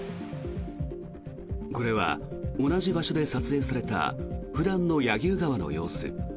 これは同じ場所で撮影された普段の柳生川の様子。